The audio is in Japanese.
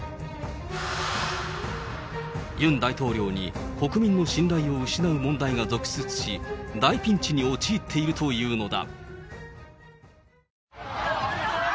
ユン大統領に国民の信頼を失う問題が続出し、大ピンチに陥っているというのだ。